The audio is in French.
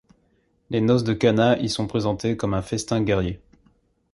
Les noces de Cana y sont présentées comme un festin guerrier…